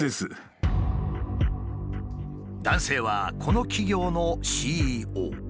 男性はこの企業のＣＥＯ。